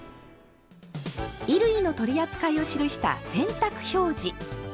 衣類の取り扱いを記した「洗濯表示」。